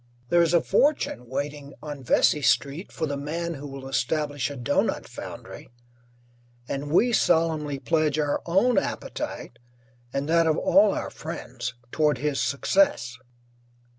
There is a fortune waiting on Vesey Street for the man who will establish a doughnut foundry, and we solemnly pledge our own appetite and that of all our friends toward his success.